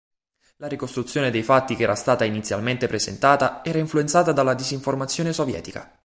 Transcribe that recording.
La ricostruzione dei fatti che era stata inizialmente presentata era influenzata dalla disinformazione sovietica.